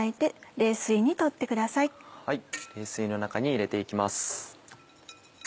冷水の中に入れて行きます。